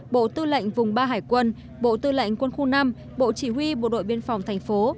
bộ tư lệnh vùng ba hải quân bộ tư lệnh quân khu năm bộ chỉ huy bộ đội biên phòng thành phố